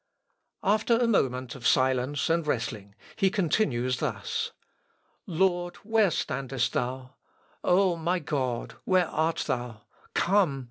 After a moment of silence and wrestling, he continues thus: "Lord, where standest thou?... O, my God, where art thou?... Come!